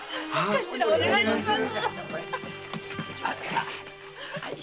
頭お願いします！